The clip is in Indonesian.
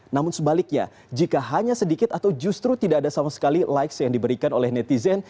namun sebaliknya jika hanya sedikit atau justru tidak ada sama sekali likes yang diberikan oleh netizen